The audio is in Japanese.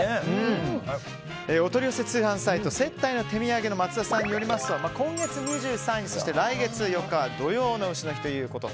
お取り寄せ通販サイト接待の手土産の松田さんによりますと今月２３日、そして来月４日は土用の丑の日ということ。